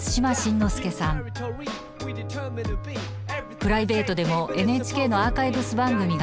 プライベートでもＮＨＫのアーカイブス番組が大好き。